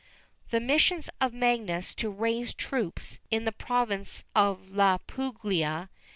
The missions of Magius to raise troops in the province of La Puglia.